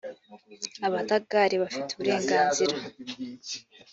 abadagari bafite uburenganzira